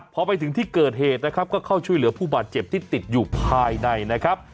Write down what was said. พอไปถึงที่เกิดเหตุนะครับก็เข้าช่วยเหลือผู้บาดเจ็บที่ติดอยู่ภายในนะครับ